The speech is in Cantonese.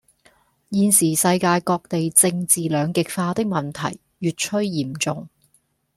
現時世界各地政治兩極化的問題越趨嚴重